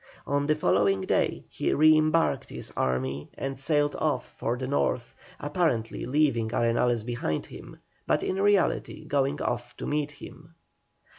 On the following day he re embarked his army and sailed off for the North, apparently leaving Arenales behind him, but in reality going off to meet him.